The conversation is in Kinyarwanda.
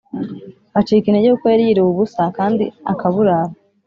acika intege kuko yari yiriwe ubusa kandi akaburara